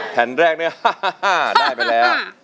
แผ่นแรกเนี่ยฮ่าฮ่าฮ่าได้ไปแล้ว